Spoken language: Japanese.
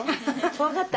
分かった。